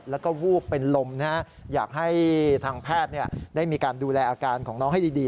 แล้วก็วูบเป็นลมนะฮะอยากให้ทางแพทย์ได้มีการดูแลอาการของน้องให้ดี